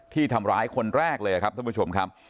ที่ทำร้ายคนแรกเลยครับท่านผู้ชมครับ